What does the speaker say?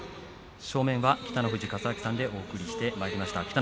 正面は北の富士勝昭さんでお送りしてまいりました。